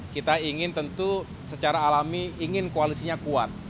kita ingin tentu secara alami ingin koalisinya kuat